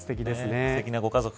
すてきなご家族。